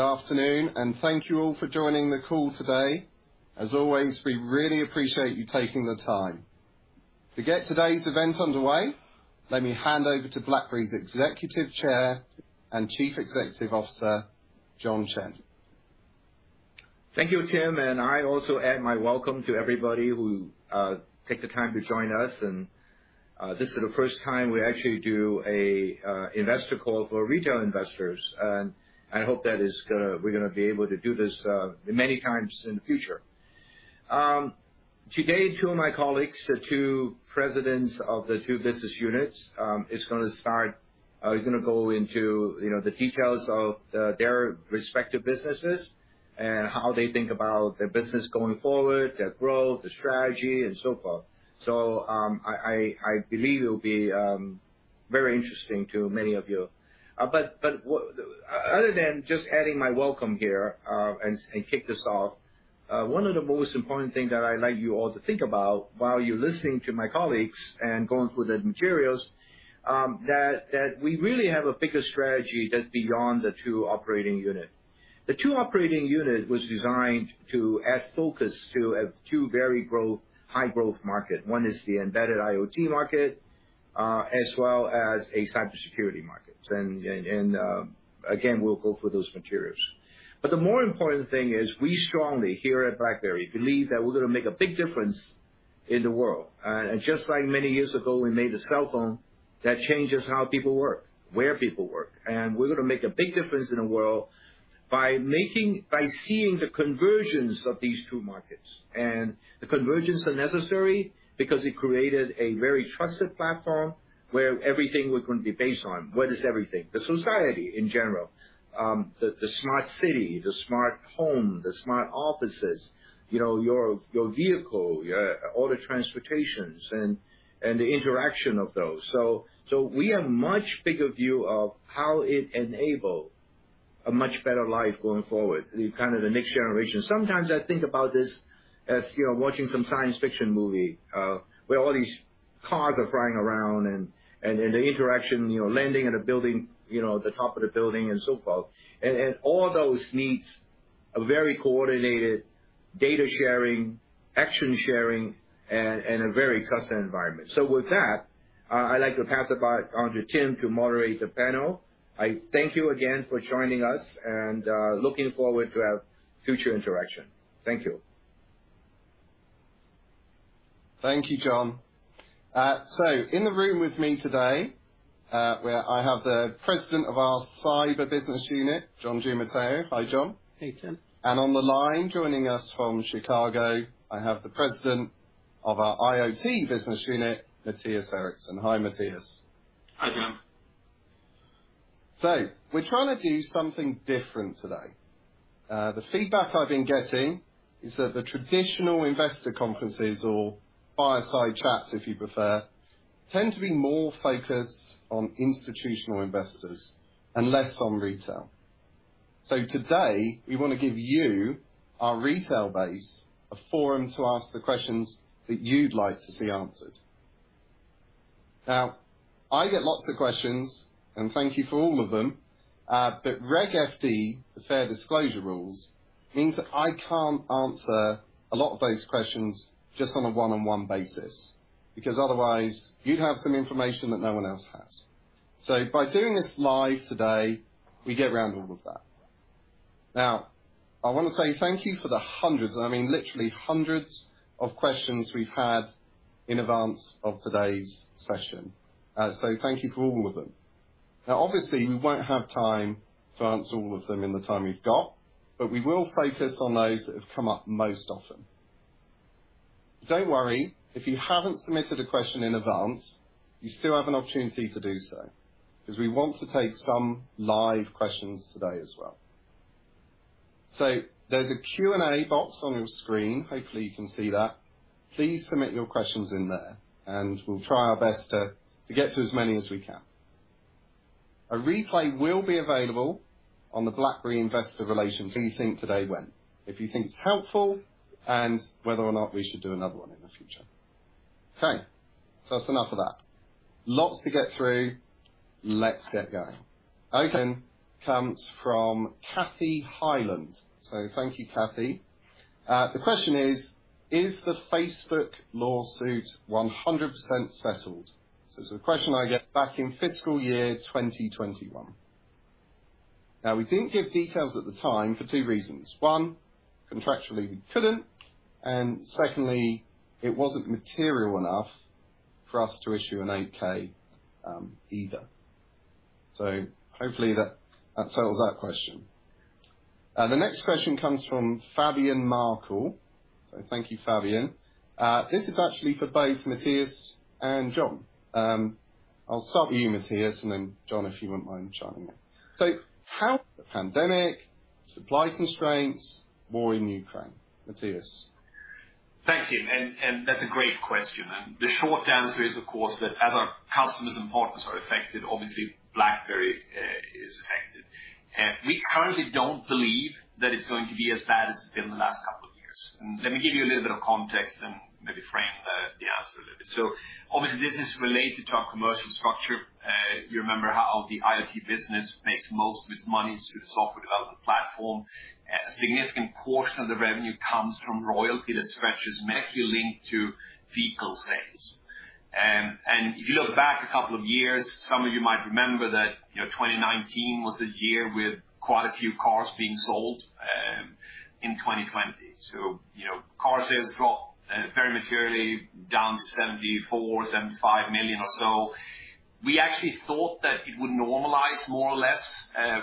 Good afternoon, and thank you all for joining the call today. As always, we really appreciate you taking the time. To get today's event underway, let me hand over to BlackBerry's Executive Chair and Chief Executive Officer, John Chen. Thank you, Tim, and I also add my welcome to everybody who take the time to join us and, this is the first time we actually do a investor call for retail investors. I hope we're gonna be able to do this many times in the future. Today, two of my colleagues, the two presidents of the two business units, is gonna go into, you know, the details of their respective businesses and how they think about the business going forward, the growth, the strategy, and so forth. I believe it'll be very interesting to many of you. Other than just adding my welcome here and kick this off, one of the most important things that I'd like you all to think about while you're listening to my colleagues and going through the materials, that we really have a bigger strategy that's beyond the two operating unit. The two operating unit was designed to add focus to two very high growth market. One is the embedded IoT market, as well as a Cybersecurity market. Again, we'll go through those materials. The more important thing is we strongly, here at BlackBerry, believe that we're gonna make a big difference in the world. Just like many years ago, we made a cell phone that changes how people work, where people work. We're gonna make a big difference in the world by seeing the convergence of these two markets. The convergence are necessary because it created a very trusted platform where everything was going to be based on. What is everything? The society in general, the smart city, the smart home, the smart offices, you know, your vehicle, all the transportations and the interaction of those. We have much bigger view of how it enable a much better life going forward, the kind of the next generation. Sometimes I think about this as, you know, watching some science fiction movie, where all these cars are flying around and then the interaction, you know, landing at a building, you know, the top of the building and so forth. All those needs a very coordinated data sharing, action sharing and a very custom environment. With that, I'd like to pass it back on to Tim to moderate the panel. I thank you again for joining us and looking forward to have future interaction. Thank you. Thank you, John. In the room with me today, where I have the President of our Cybersecurity Business Unit, John Giamatteo. Hi, John. Hey, Tim. On the line joining us from Chicago, I have the President of our IoT Business Unit, Mattias Eriksson. Hi, Mattias. Hi, Tim. We're trying to do something different today. The feedback I've been getting is that the traditional investor conferences or fireside chats, if you prefer, tend to be more focused on institutional investors and less on retail. Today, we wanna give you, our retail base, a forum to ask the questions that you'd like to see answered. Now, I get lots of questions, and thank you for all of them. Reg FD, the fair disclosure rules, means that I can't answer a lot of those questions just on a one-on-one basis, because otherwise you'd have some information that no one else has. By doing this live today, we get around all of that. Now, I wanna say thank you for the hundreds, I mean, literally hundreds of questions we've had in advance of today's session. Thank you for all of them. Now, obviously, we won't have time to answer all of them in the time we've got, but we will focus on those that have come up most often. Don't worry, if you haven't submitted a question in advance, you still have an opportunity to do so, 'cause we want to take some live questions today as well. There's a Q&A box on your screen. Hopefully, you can see that. Please submit your questions in there, and we'll try our best to get to as many as we can. A replay will be available on the BlackBerry Investor Relations website. Let us know what you think of how today went. If you think it's helpful and whether or not we should do another one in the future. Okay, that's enough of that. Lots to get through. Let's get going. Okay. Comes from Kathy Hyland. Thank you, Kathy. The question is: Is the Facebook lawsuit 100% settled? It's a question I get back in fiscal year 2021. Now, we didn't give details at the time for two reasons. One, contractually, we couldn't, and secondly, it wasn't material enough for us to issue an 8-K either. Hopefully that settles that question. The next question comes from Fabian Markel. Thank you, Fabian. This is actually for both Mattias and John. I'll start with you, Mattias, and then John, if you wouldn't mind chiming in. Pandemic, supply constraints, war in Ukraine. Mattias. Thank you. That's a great question. The short answer is, of course, that other customers and partners are affected. Obviously, BlackBerry is affected. We currently don't believe that it's going to be as bad as it's been the last couple of years. Let me give you a little bit of context and maybe frame the answer a little bit. Obviously this is related to our commercial structure. You remember how the IoT business makes most of its money through the software development platform. A significant portion of the revenue comes from royalty discrepancies mainly linked to vehicle sales. If you look back a couple of years, some of you might remember that, you know, 2019 was a year with quite a few cars being sold, in 2020. You know, car sales got very materially down to $74 million-$75 million or so. We actually thought that it would normalize more or less. A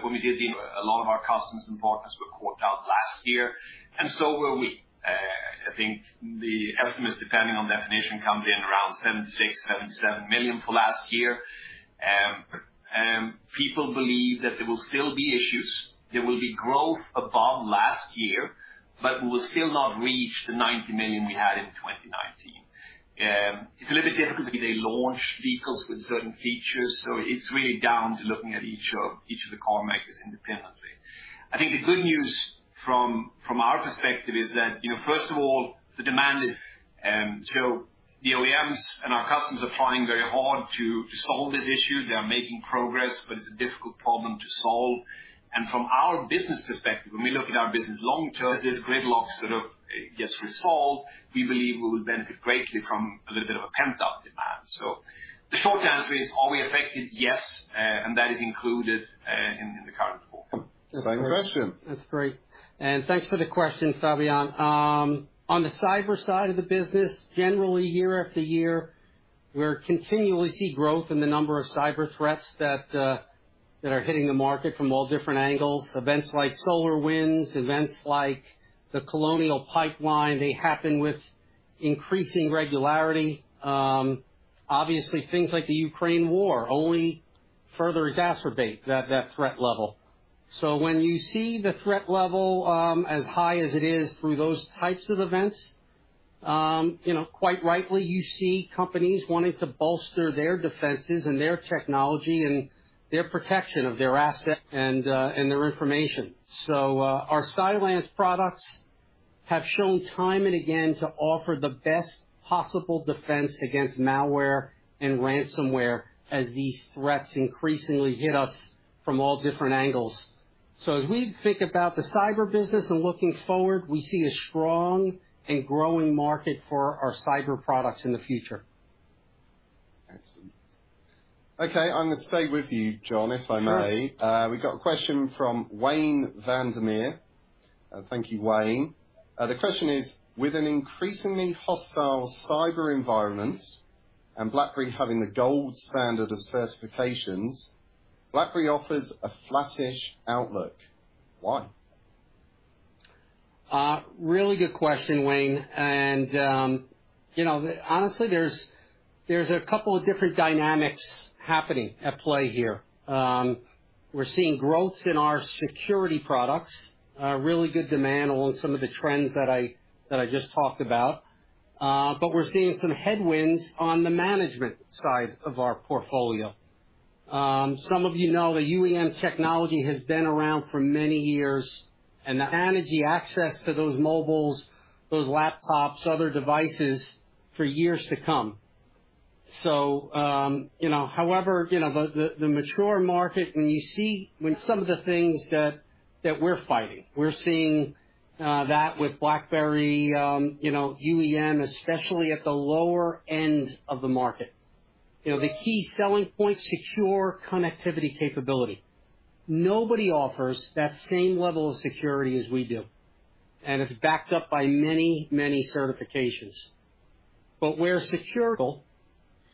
lot of our customers and partners were caught out last year, and so were we. I think the estimates, depending on definition, comes in around $76 million- $77 million for last year. People believe that there will still be issues. There will be growth above last year, but we will still not reach the $90 million we had in 2019. It's a little bit difficult because they launch vehicles with certain features, so it's really down to looking at each of the car makers independently. I think the good news from our perspective is that, you know, first of all, the demand is, so the OEMs and our customers are trying very hard to solve this issue. They are making progress, but it's a difficult problem to solve. From our business perspective, when we look at our business long term, as this gridlock sort of gets resolved, we believe we will benefit greatly from a little bit of a pent-up demand. The short answer is, are we affected? Yes. That is included in the current forecast. Same question. That's great. Thanks for the question, Fabian. On the cyber side of the business, generally year after year, we continually see growth in the number of cyber threats that are hitting the market from all different angles. Events like SolarWinds, events like the Colonial Pipeline, they happen with increasing regularity. Obviously things like the Ukraine War only further exacerbate that threat level. When you see the threat level as high as it is through those types of events, you know, quite rightly, you see companies wanting to bolster their defenses and their technology and their protection of their assets and their information. Our Cylance products have shown time and again to offer the best possible defense against malware and ransomware as these threats increasingly hit us from all different angles. As we think about the Cyber business and looking forward, we see a strong and growing market for our Cyber products in the future. Excellent. Okay, I'm gonna stay with you, John, if I may. Sure. We've got a question from Wayne Vandermeer. Thank you, Wayne. The question is: With an increasingly hostile Cyber environment and BlackBerry having the gold standard of certifications, BlackBerry offers a flattish outlook. Why? Really good question, Wayne. You know, honestly, there's a couple of different dynamics happening at play here. We're seeing growth in our security products, really good demand along some of the trends that I just talked about. We're seeing some headwinds on the management side of our portfolio. Some of you know the UEM technology has been around for many years, and the endpoint access to those mobiles, those laptops, other devices for years to come. However, you know, the mature market, when some of the things that we're fighting, we're seeing that with BlackBerry UEM, especially at the lower end of the market. You know, the key selling point, secure connectivity capability. Nobody offers that same level of security as we do, and it's backed up by many, many certifications.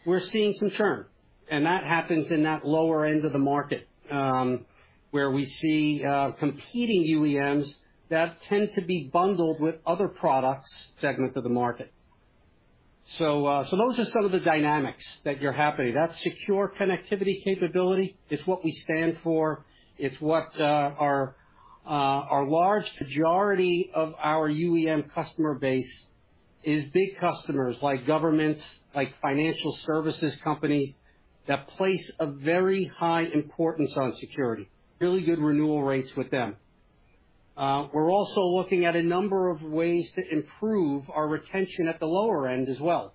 We're seeing some churn, and that happens in that lower end of the market, where we see competing UEMs that tend to be bundled with other products segment of the market. Those are some of the dynamics that are happening. That secure connectivity capability, it's what we stand for. It's what our large majority of our UEM customer base is big customers like governments, like financial services companies, that place a very high importance on security. Really good renewal rates with them. We're also looking at a number of ways to improve our retention at the lower end as well,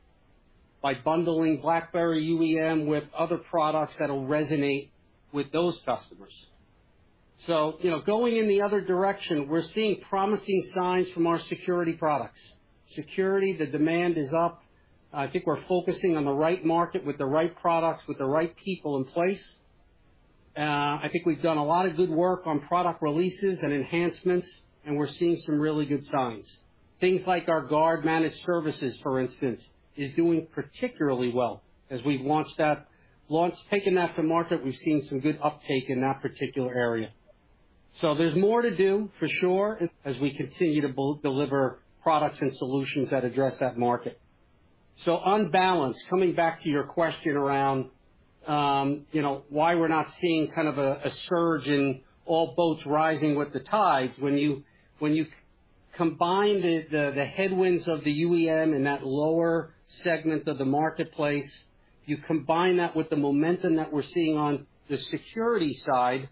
by bundling BlackBerry UEM with other products that'll resonate with those customers. you know, going in the other direction, we're seeing promising signs from our security products. Security, the demand is up. I think we're focusing on the right market with the right products, with the right people in place. I think we've done a lot of good work on product releases and enhancements, and we're seeing some really good signs. Things like our CylanceGUARD Managed Services, for instance, is doing particularly well as we've taken that to market, we've seen some good uptake in that particular area. There's more to do for sure as we continue to deliver products and solutions that address that market. On balance, coming back to your question around, you know, why we're not seeing kind of a surge in all boats rising with the tide. When you combine the headwinds of the UEM in that lower segment of the marketplace, you combine that with the momentum that we're seeing on the security side.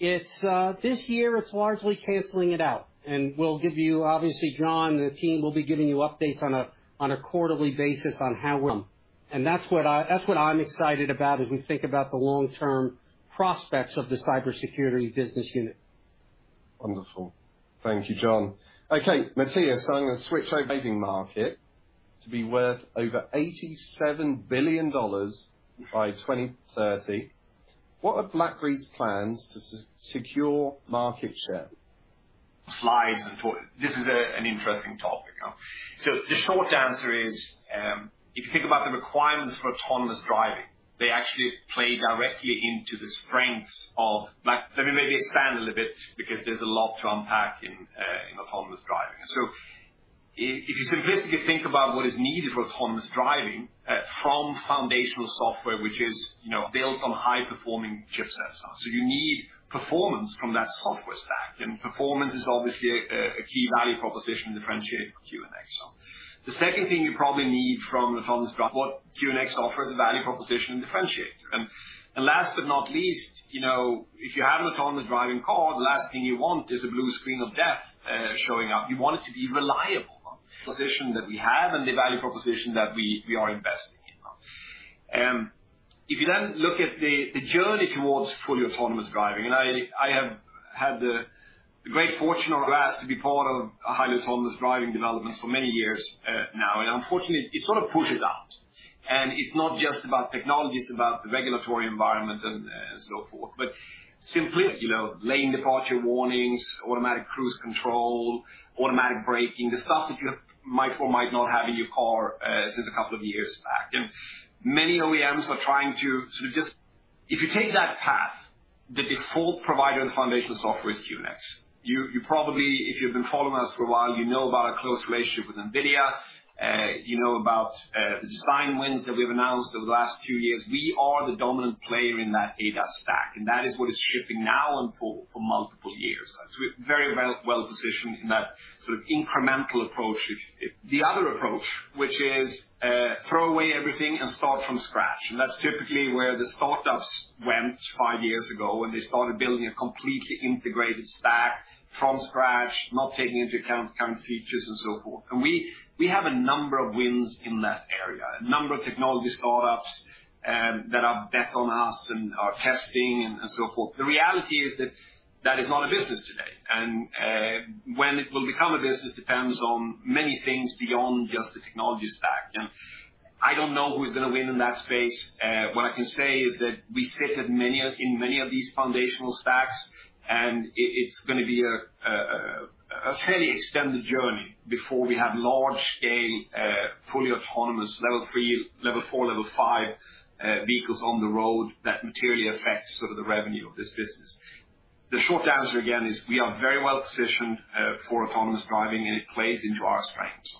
This year, it's largely canceling it out. Obviously, John, the team will be giving you updates on a quarterly basis on how we're. That's what I'm excited about as we think about the long-term prospects of the Cybersecurity business unit. Wonderful. Thank you, John. Okay, Mattias, I'm gonna switch over. Market to be worth over $87 billion by 2030. What are BlackBerry's plans to secure market share? This is an interesting topic. The short answer is, if you think about the requirements for autonomous driving, they actually play directly into the strengths of BlackBerry. Let me maybe expand a little bit because there's a lot to unpack in autonomous driving. If you simplistically think about what is needed for autonomous driving from foundational software, which is, you know, built on high performing chipsets. You need performance from that software stack, and performance is obviously a key value proposition differentiator for QNX. The second thing you probably need. What QNX offers a value proposition differentiator. Last but not least, you know, if you have an autonomous driving car, the last thing you want is a blue screen of death showing up. You want it to be reliable. Position that we have and the value proposition that we are investing in. If you then look at the journey towards fully autonomous driving, and I have had the great fortune or luck to be part of a highly autonomous driving developments for many years, now, and unfortunately, it sort of pushes out. It's not just about technology, it's about the regulatory environment and so forth. Simply, you know, lane departure warnings, automatic cruise control, automatic braking, the stuff that you might or might not have in your car, since a couple of years back. Many OEMs are trying to sort of just. If you take that path, the default provider of the foundational software is QNX. You probably... If you've been following us for a while, you know about our close relationship with NVIDIA. You know about the design wins that we have announced over the last few years. We are the dominant player in that ADAS stack, and that is what is shipping now and for multiple years. We're very well-positioned in that sort of incremental approach. The other approach, which is throw away everything and start from scratch, and that's typically where the startups went five years ago when they started building a completely integrated stack from scratch, not taking into account current features and so forth. We have a number of wins in that area, a number of technology startups that are bet on us and are testing and so forth. The reality is that is not a business today, and when it will become a business depends on many things beyond just the technology stack. I don't know who is gonna win in that space. What I can say is that we sit in many of these foundational stacks, and it's gonna be a fairly extended journey before we have large scale, fully autonomous level three, level four, level five, vehicles on the road that materially affects sort of the revenue of this business. The short answer, again, is we are very well-positioned for autonomous driving, and it plays into our strengths.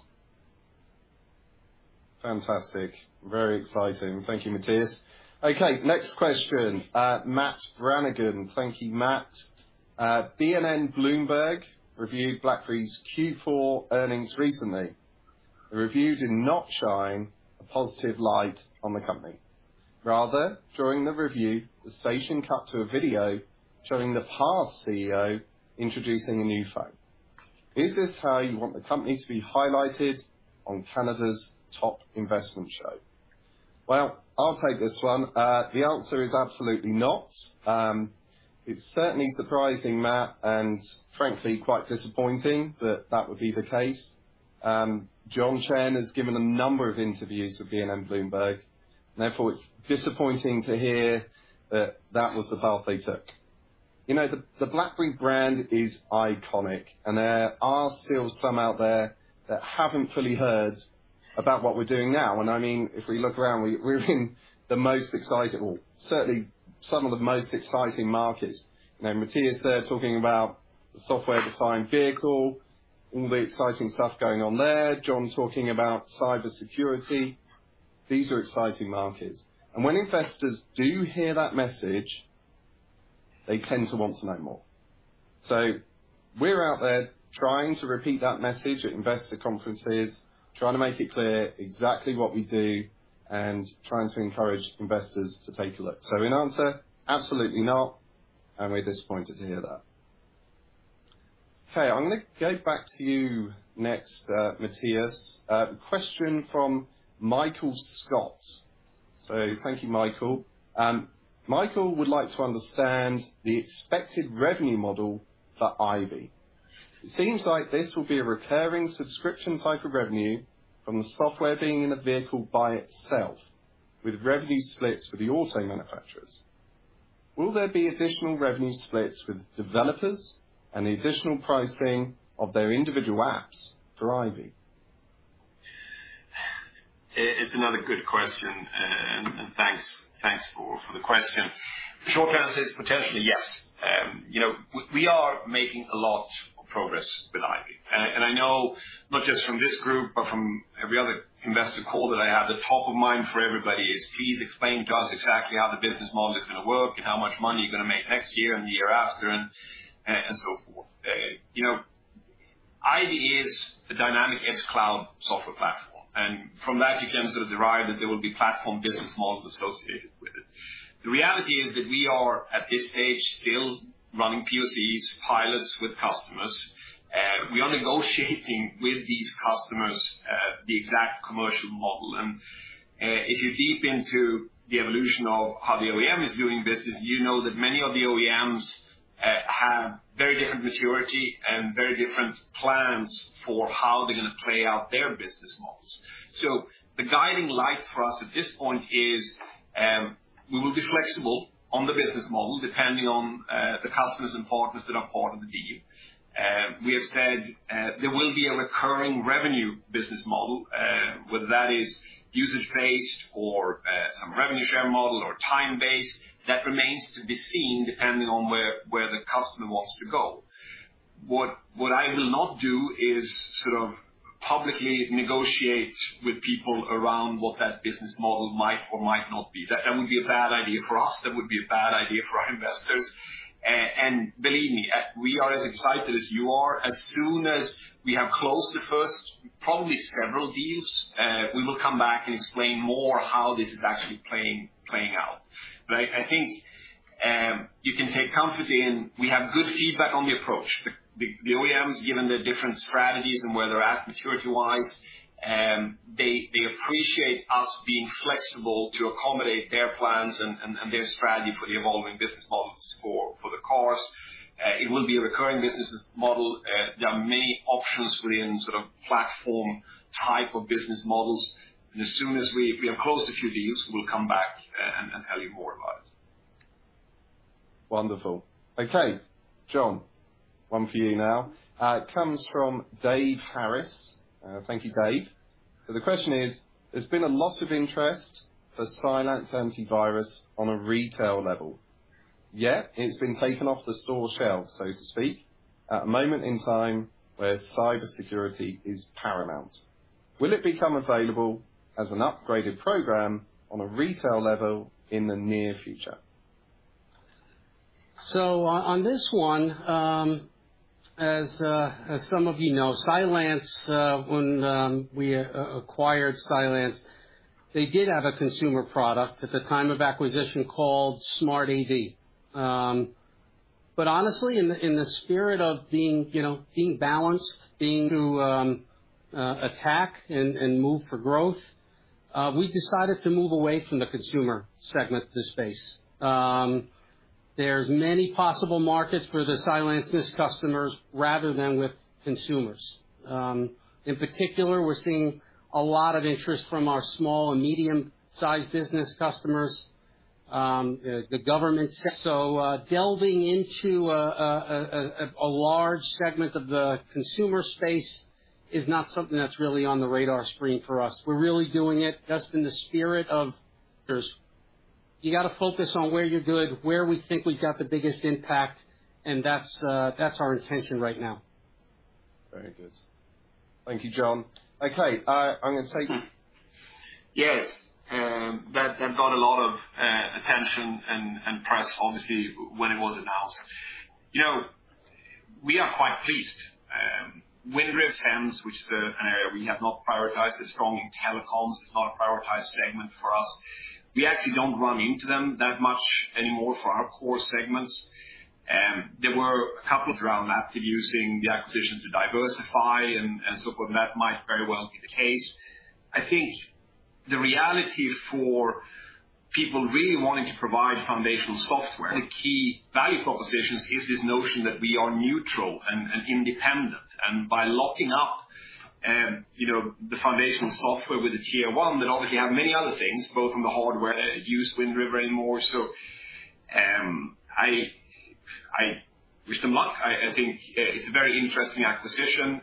Fantastic. Very exciting. Thank you, Mattias. Okay, next question. Matt Brannigan. Thank you, Matt. BNN Bloomberg reviewed BlackBerry's Q4 earnings recently. The review did not shine a positive light on the company. Rather, during the review, the station cut to a video showing the past CEO introducing a new phone. Is this how you want the company to be highlighted on Canada's top investment show? Well, I'll take this one. The answer is absolutely not. It's certainly surprising, Matt, and frankly, quite disappointing that that would be the case. John Chen has given a number of interviews to BNN Bloomberg, and therefore it's disappointing to hear that that was the path they took. You know, the BlackBerry brand is iconic, and there are still some out there that haven't fully heard about what we're doing now, and I mean, if we look around, we're in the most exciting. Well, certainly some of the most exciting markets. You know, Mattias there talking about the software-defined vehicle, all the exciting stuff going on there, John talking about Cybersecurity. These are exciting markets. When investors do hear that message, they tend to want to know more. We're out there trying to repeat that message at investor conferences, trying to make it clear exactly what we do, and trying to encourage investors to take a look. In answer, absolutely not, and we're disappointed to hear that. Okay, I'm gonna go back to you next, Mattias. A question from Michael Scott. Thank you, Michael. Michael would like to understand the expected revenue model for Ivy. It seems like this will be a recurring subscription type of revenue from the software being in a vehicle by itself with revenue splits for the auto manufacturers. Will there be additional revenue splits with developers and the additional pricing of their individual apps for Ivy? It's another good question. Thanks for the question. The short answer is potentially yes. You know, we are making a lot of progress with Ivy. I know not just from this group, but from every other investor call that I have, the top of mind for everybody is, "Please explain to us exactly how the business model is gonna work and how much money you're gonna make next year and the year after." You know, Ivy is a dynamic edge cloud software platform, and from that you can sort of derive that there will be platform business models associated with it. The reality is that we are, at this stage, still running POCs, pilots with customers. We are negotiating with these customers, the exact commercial model. If you dig deep into the evolution of how the OEM is doing business, you know that many of the OEMs have very different maturity and very different plans for how they're gonna play out their business models. The guiding light for us at this point is we will be flexible on the business model depending on the customers and partners that are part of the deal. We have said there will be a recurring revenue business model, whether that is usage-based or some revenue share model or time-based, that remains to be seen depending on where the customer wants to go. What I will not do is sort of publicly negotiate with people around what that business model might or might not be. That would be a bad idea for us, that would be a bad idea for our investors. Believe me, we are as excited as you are. As soon as we have closed the first, probably several deals, we will come back and explain more how this is actually playing out. I think you can take comfort in we have good feedback on the approach. The OEMs, given their different strategies and where they're at maturity-wise, they appreciate us being flexible to accommodate their plans and their strategy for the evolving business models for the car. It will be a recurring business model. There are many options within sort of platform type of business models. As soon as we have closed a few deals, we'll come back and tell you more about it. Wonderful. Okay, John, one for you now. It comes from Dave Harris. Thank you, Dave. The question is: There's been a lot of interest for Cylance Antivirus on a retail level. Yet, it's been taken off the store shelves, so to speak, at a moment in time where Cybersecurity is paramount. Will it become available as an upgraded program on a retail level in the near future? On this one, as some of you know, Cylance, when we acquired Cylance, they did have a consumer product at the time of acquisition called Smart AV. But honestly, in the spirit of being, you know, being balanced, needing to attack and move for growth, we decided to move away from the consumer segment of the space. There's many possible markets for the Cylance's customers rather than with consumers. In particular, we're seeing a lot of interest from our small and medium-sized business customers, the government. Delving into a large segment of the consumer space is not something that's really on the radar screen for us. We're really doing it just in the spirit of there's. You got to focus on where you're good, where we think we've got the biggest impact, and that's our intention right now. Very good. Thank you, John. Okay, I'm gonna take Yes. That got a lot of attention and press, obviously, when it was announced. You know, we are quite pleased. Wind River VxWorks, which is an area we have not prioritized as strong in telecoms, it's not a prioritized segment for us. We actually don't run into them that much anymore for our core segments. There were a couple throughout the map using the acquisition to diversify and so forth, and that might very well be the case. I think the reality for people really wanting to provide foundational software, the key value propositions is this notion that we are neutral and independent. By locking up, you know, the foundational software with a tier one that obviously have many other things, both in the hardware, use Wind River anymore. I wish them luck. I think it's a very interesting acquisition.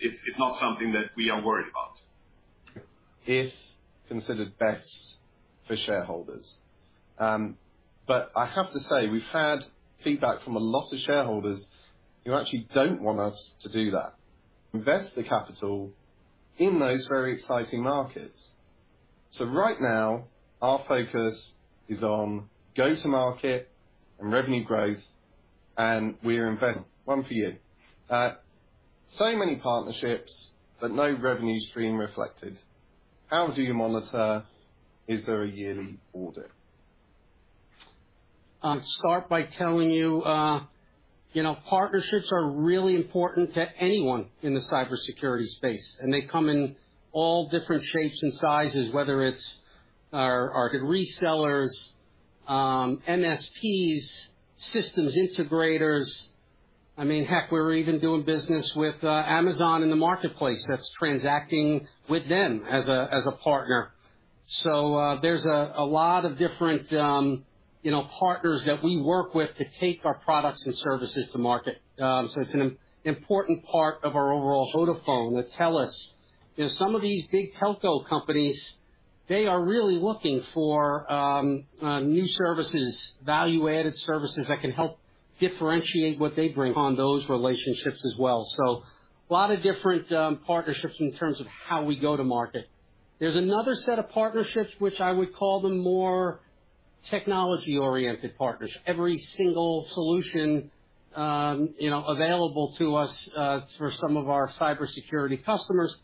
It's not something that we are worried about. If considered best for shareholders. I have to say, we've had feedback from a lot of shareholders who actually don't want us to do that. Invest the capital in those very exciting markets. Right now, our focus is on go-to-market and revenue growth. One for you. Many partnerships, but no revenue stream reflected. How do you monitor? Is there a yearly audit? I'll start by telling you know, partnerships are really important to anyone in the Cybersecurity space, and they come in all different shapes and sizes, whether it's our good resellers, MSPs, systems integrators. I mean, heck, we're even doing business with Amazon in the marketplace that's transacting with them as a partner. There's a lot of different, you know, partners that we work with to take our products and services to market. It's an important part of our overall go-to-market that tell us, you know, some of these big telco companies, they are really looking for new services, value-added services that can help differentiate what they bring on those relationships as well. A lot of different partnerships in terms of how we go to market. There's another set of partnerships which I would call them more technology-oriented partners, every single solution, you know, available to us, for some of our Cybersecurity customers.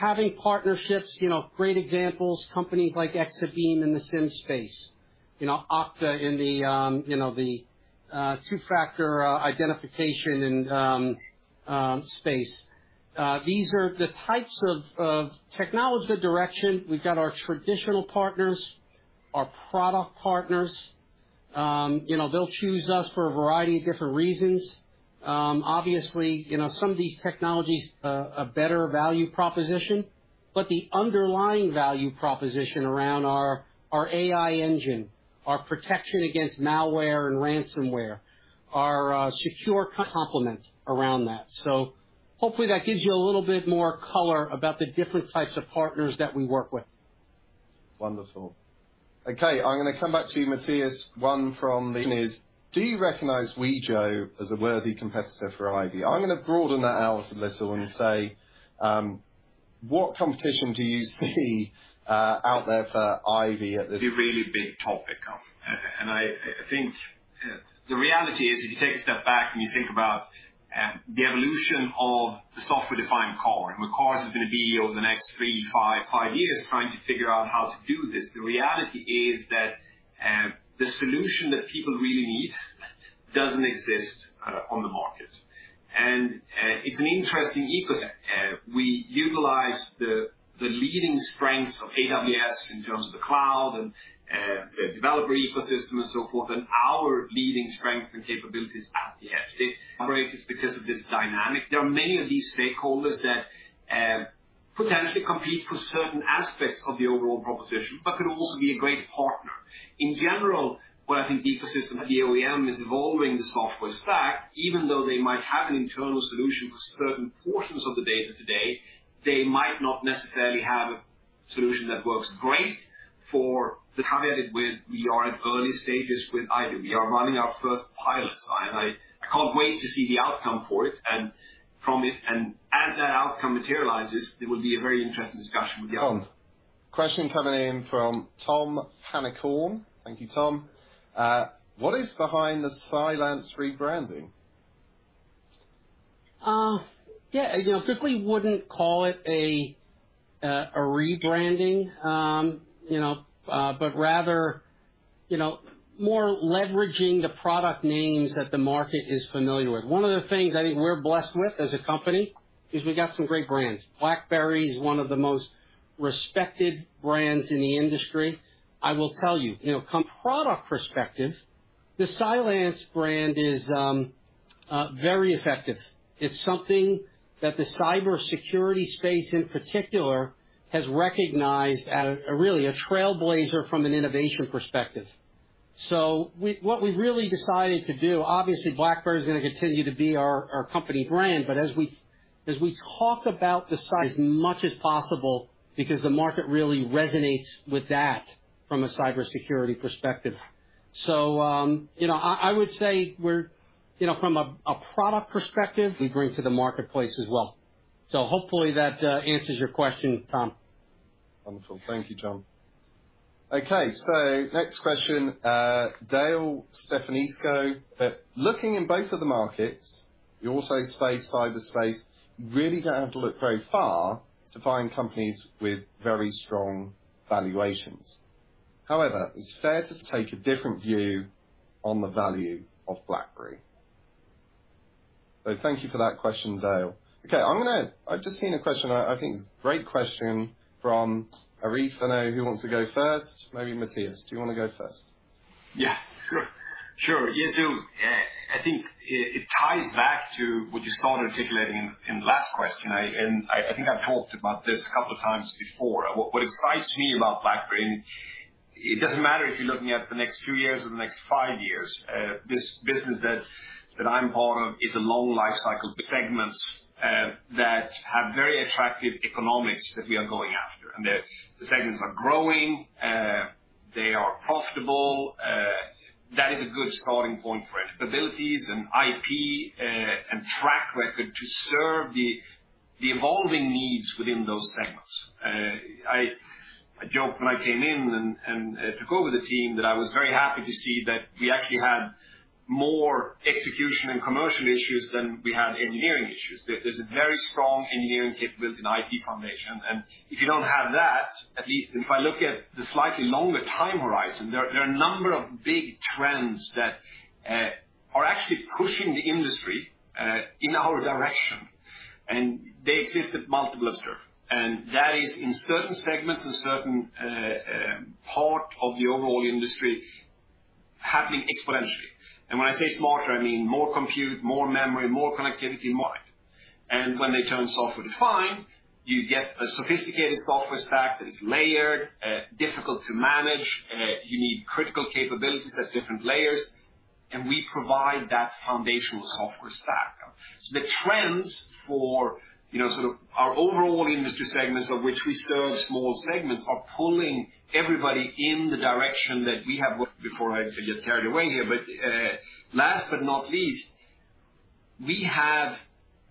Having partnerships, you know, great examples, companies like Exabeam in the SIEM space, you know, Okta in the, you know, the, two-factor, identification and, space. These are the types of technology direction. We've got our traditional partners, our product partners. You know, they'll choose us for a variety of different reasons. Obviously, you know, some of these technologies are better value proposition, but the underlying value proposition around our AI engine, our protection against malware and ransomware are secure complements around that. Hopefully that gives you a little bit more color about the different types of partners that we work with. Wonderful. Okay, I'm gonna come back to you, Mattias. One from Leon is. Do you recognize Wejo as a worthy competitor for Ivy? I'm gonna broaden that out a little and say, what competition do you see out there for Ivy at this It's a really big topic, and I think the reality is, if you take a step back and you think about the evolution of the software-defined car, and where cars is gonna be over the next three, five years trying to figure out how to do this, the reality is that the solution that people really need doesn't exist on the market. It's an interesting ecosystem. We utilize the leading strengths of AWS in terms of the cloud and the developer ecosystem and so forth, and our leading strength and capabilities at the edge. They operate just because of this dynamic. There are many of these stakeholders that potentially compete for certain aspects of the overall proposition, but could also be a great partner. In general, what I think the ecosystem of the OEM is evolving the software stack, even though they might have an internal solution for certain portions of the data today, they might not necessarily have a solution that works great. Caveat it with, we are at early stages with Ivy. We are running our first pilot sign. I can't wait to see the outcome for it, and from it. As that outcome materializes, it will be a very interesting discussion with the OEMs. Question coming in from Thomas Ingham. Thank you, Tom. What is behind the Cylance rebranding? You know, quickly wouldn't call it a rebranding, but rather more leveraging the product names that the market is familiar with. One of the things I think we're blessed with as a company is we've got some great brands. BlackBerry is one of the most respected brands in the industry. I will tell you know, from product perspective, the Cylance brand is very effective. It's something that the Cybersecurity space in particular has recognized as really a trailblazer from an innovation perspective. What we've really decided to do, obviously BlackBerry is gonna continue to be our company brand, but as we talk about the Cylance as much as possible because the market really resonates with that from a Cybersecurity perspective, you know, I would say we're, you know, from a product perspective. We bring to the marketplace as well. Hopefully that answers your question, Tom. Wonderful. Thank you, John. Okay. Next question, Dale Stefanisco. Looking in both of the markets, the auto space, Cyber space, you really don't have to look very far to find companies with very strong valuations. However, it is fair to take a different view on the value of BlackBerry. Thank you for that question, Dale. Okay. I've just seen a question. I think it's a great question from Arif. I know who wants to go first. Maybe Mattias, do you wanna go first? Yeah, sure. Sure. Yeah, so, I think it ties back to what you started articulating in the last question. I think I've talked about this a couple of times before. What excites me about BlackBerry, and it doesn't matter if you're looking at the next few years or the next five years, this business that I'm part of is a long lifecycle segments that have very attractive economics that we are going after. The segments are growing, they are profitable, that is a good starting point for capabilities and IP, and track record to serve the evolving needs within those segments. I joked when I came in and took over the team that I was very happy to see that we actually had more execution and commercial issues than we had engineering issues. There's a very strong engineering capability and IP foundation. If you don't have that, at least if I look at the slightly longer time horizon, there are a number of big trends that are actually pushing the industry in our direction, and they exist at multiple layers. That is in certain segments and certain part of the overall industry happening exponentially. When I say smarter, I mean more compute, more memory, more connectivity, more IP. When they turn software-defined, you get a sophisticated software stack that is layered, difficult to manage, you need critical capabilities at different layers. We provide that foundational software stack. The trends for, you know, sort of our overall industry segments of which we serve small segments are pulling everybody in the direction. Before I get carried away here, but, last but not least, we have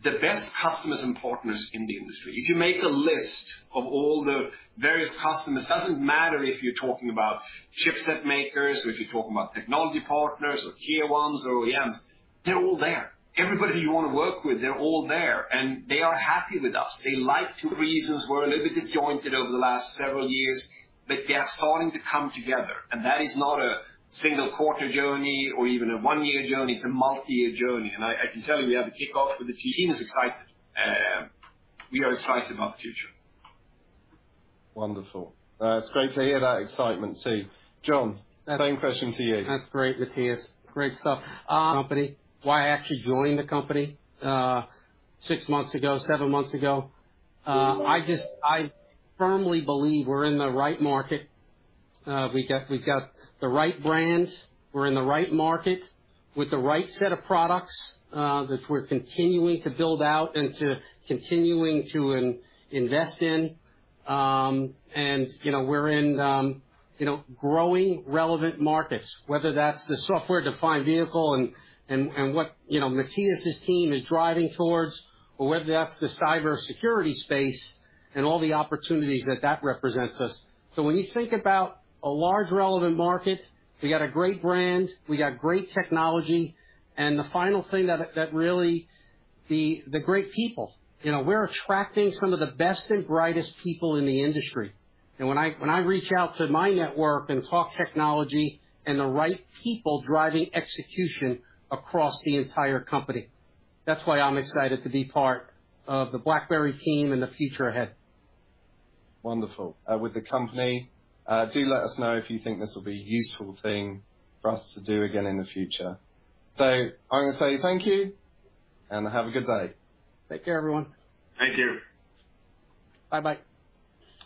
the best customers and partners in the industry. If you make a list of all the various customers, doesn't matter if you're talking about chipset makers or if you're talking about technology partners or tier ones or OEMs, they're all there. Everybody you wanna work with, they're all there, and they are happy with us. They like two reasons. We're a little bit disjointed over the last several years, but they are starting to come together, and that is not a single quarter journey or even a one-year journey, it's a multi-year journey. I can tell you we have a kickoff, but the team is excited. We are excited about the future. Wonderful. It's great to hear that excitement too. John, same question to you. That's great, Mattias. Great stuff. Company. Why I actually joined the company six months ago, seven months ago, I firmly believe we're in the right market. We've got the right brand. We're in the right market with the right set of products that we're continuing to build out and continuing to invest in. You know, we're in growing relevant markets, whether that's the software-defined vehicle and what Mattias's team is driving towards or whether that's the Cybersecurity space and all the opportunities that represents us. When you think about a large relevant market, we've got a great brand, we've got great technology, and the final thing that really the great people. You know, we're attracting some of the best and brightest people in the industry. When I reach out to my network and talk technology and the right people driving execution across the entire company, that's why I'm excited to be part of the BlackBerry team and the future ahead. Wonderful. With the company, do let us know if you think this will be a useful thing for us to do again in the future. I'm gonna say thank you, and have a good day. Take care, everyone. Thank you. Bye-bye.